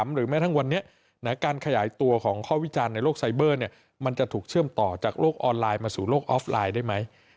หรือแม้ทั้งวันนี้การขยายตัวของข้อวิจารณ์ในโลกไซเบอร์มันจะถูกเชื่อมต่อจากโลกออนไลน์มาสู่โลกออฟไลน์ได้ไหม